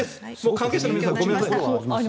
関係者の皆さんごめんなさい。